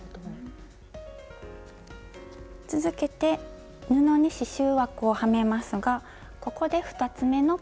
続けて布に刺しゅう枠をはめますがここで２つ目のポイントです。